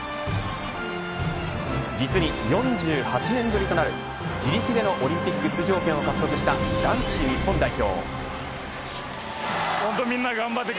実に、４８年ぶりとなる自力でのオリンピック出場権を獲得した男子日本代表。